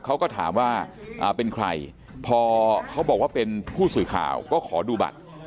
เขาก็ถามว่าเป็นใครพอเขาบอกว่าเป็นผู้สื่อข่าวก็ขอดูบัตร